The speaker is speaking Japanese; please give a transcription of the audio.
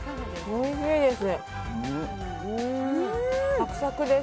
おいしいです。